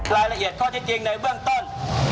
รายละเอียดข้อที่จริงในเบื้องต้น